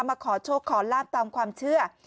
มาขอโชคขอลาบตามความเชื่อ